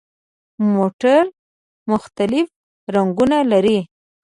موټر مختلف رنګونه لري.